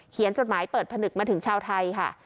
จดหมายเปิดผนึกมาถึงชาวไทยค่ะ